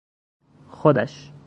خودش